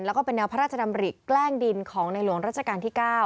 แล้วก็เป็นแนวพระราชดำริแกล้งดินของในหลวงรัชกาลที่๙